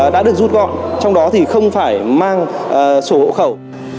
đã được rút gọn trong đó thì không phải mang sổ hộ khẩu